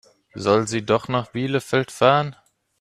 Soll sie doch nach Bielefeld fahren?